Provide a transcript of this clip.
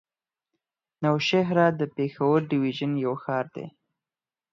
نوشهره د پېښور ډويژن يو ښار دی.